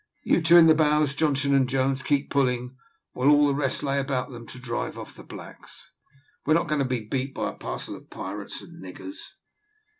"You two in the bows, Johnson and Jones, keep pulling, while all the rest lay about them to drive off the blacks. We are not going to be beat by a parcel of pirates and niggers."